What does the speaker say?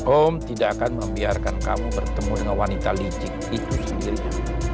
om tidak akan membiarkan kamu bertemu dengan wanita licik itu sendirian